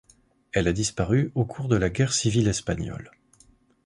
Elle a disparu au cours de la guerre civile espagnole.